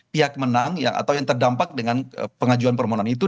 pihak menang atau yang terdampak dengan pengajuan permohonan itu